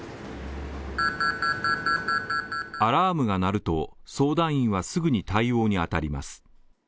アラームが鳴ると、相談員はすぐに対応に当たります。